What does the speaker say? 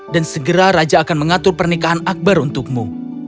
dan segera raja akan mengatur pernikahan akbar untukmu